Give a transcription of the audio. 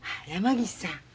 山岸さん。